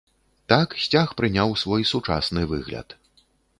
Так сцяг прыняў свой сучасны выгляд.